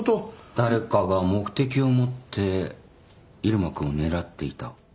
誰かが目的を持って入間君を狙っていた。